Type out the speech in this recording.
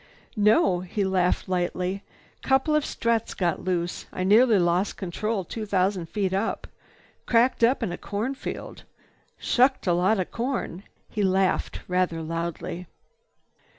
"No." He laughed lightly. "Couple of struts got loose. I nearly lost control two thousand feet up. Cracked up in a corn field. Shucked a lot of corn." He laughed rather loudly.